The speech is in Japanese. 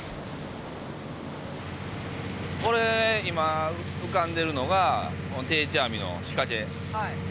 これ今浮かんでるのが定置網の仕掛け。